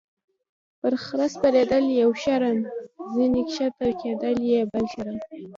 - پر خره سپرېدل یو شرم، ځینې کښته کېدل یې بل شرم.